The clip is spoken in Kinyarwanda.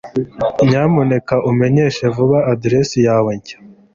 nyamuneka umenyeshe vuba adresse yawe nshya